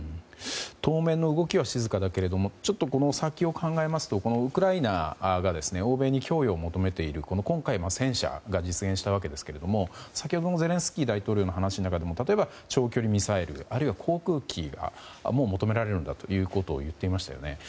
当面の動きは静かだけどもちょっとこの先を考えますとウクライナが欧米に供与を求めている今回は戦車が実現したわけですが先ほどのゼレンスキー大統領の話の中でも長距離ミサイルあるいは航空機が求められると言っていましたよね。